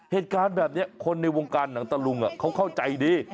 เหตุการณ์แบบนี้คนในวงการหนังตะลุงเขาเข้าใจดี